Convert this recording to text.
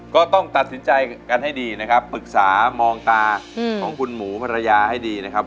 ก็ต้องตัดสินใจกันให้ดีนะครับปรึกษามองตาของคุณหมูภรรยาให้ดีนะครับ